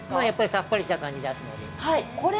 さっぱりした感じを出すので。